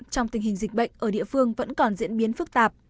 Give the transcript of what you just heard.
trong tình hình dịch bệnh ở địa phương vẫn còn diễn biến phức tạp